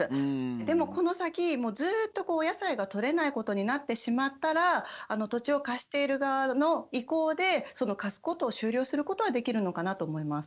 でもこの先もうずっとお野菜がとれないことになってしまったら土地を貸している側の意向でその貸すことを終了することはできるのかなと思います。